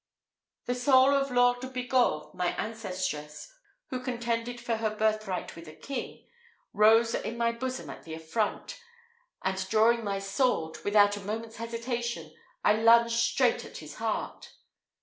The soul of Laure de Bigorre, my ancestress, who contended for her birthright with a king, rose in my bosom at the affront, and drawing my sword, without a moment's hesitation, I lunged straight at his heart.